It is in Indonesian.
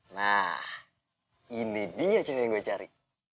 nah ini dia coba yang gue cari